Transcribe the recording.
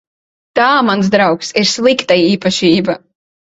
Tā, mans draugs, ir slikta īpašība.